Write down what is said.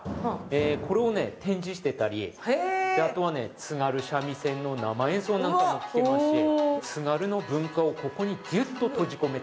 これを展示してたりあとは津軽三味線の生演奏なんかも聴けますし津軽の文化をここにぎゅっと閉じ込めた。